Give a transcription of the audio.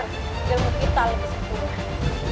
ilmu kita lebih sempurna